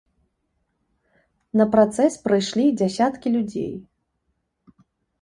На працэс прыйшлі дзясяткі людзей.